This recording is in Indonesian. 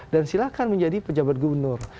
dan silahkan menjadi pejabat gubernur